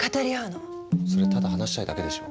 それただ話したいだけでしょ。